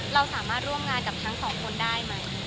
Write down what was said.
เราสามารถร่วมงานกับทั้งสองคนได้ไหม